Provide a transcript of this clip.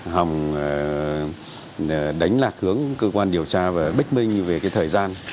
hồng đánh lạc hướng cơ quan điều tra về bích minh về cái thời gian